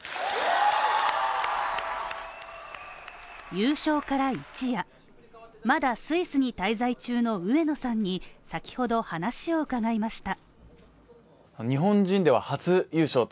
優勝から一夜、まだスイスに滞在中の上野さんに、先ほど話を伺いました。